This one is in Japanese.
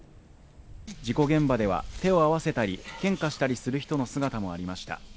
事故現場では、手を合わせたり献花したりする人の姿もありました。